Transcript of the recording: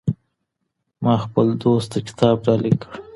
ما خپل دوست ته کتاب ډالۍ کړ.